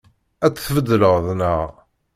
Ad tt-tbeddleḍ, naɣ?